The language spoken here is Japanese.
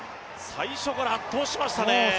最初から圧倒しましたね。